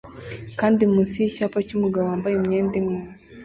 kandi munsi yicyapa cyumugabo wambaye imyenda imwe